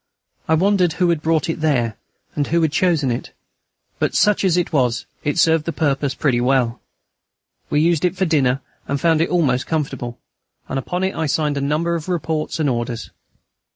I wondered who had brought it there, and who had chosen it. But, such as it was, it served its purpose pretty well. We used it for dinner, and found it almost comfortable, and upon it I signed a number of reports and orders.